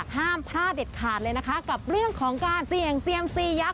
ห้ามพลาดเด็ดขาดเลยนะคะกับเรื่องของการเสี่ยงเซียมซียักษ